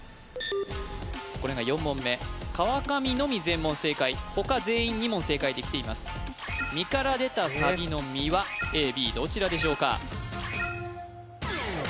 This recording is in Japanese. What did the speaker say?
これが４問目川上のみ全問正解他全員２問正解できていますみから出たさびの「み」はＡＢどちらでしょうか？